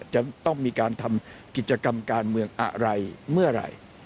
จะต้องมีการทำกิจกรรมการเมืองอะไรเมื่อไหร่